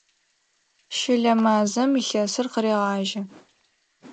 Щылэ мазэм илъэсыр къырегъажьэ.